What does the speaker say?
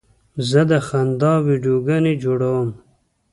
زه د خندا ویډیوګانې جوړوم.